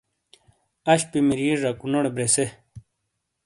اشپی مِری ژاکونوٹے بریسے.